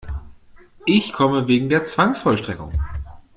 Ich komme wegen der Zwangsvollstreckung.